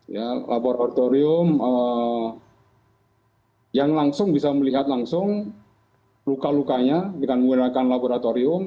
ya laboratorium yang langsung bisa melihat langsung luka lukanya dengan menggunakan laboratorium